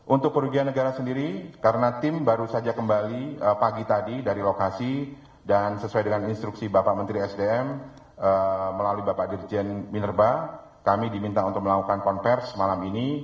untuk kerugian negara sendiri karena tim baru saja kembali pagi tadi dari lokasi dan sesuai dengan instruksi bapak menteri sdm melalui bapak dirjen minerba kami diminta untuk melakukan konversi malam ini